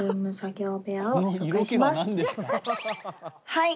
はい。